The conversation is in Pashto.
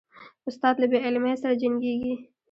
استاد له بې علمۍ سره جنګیږي.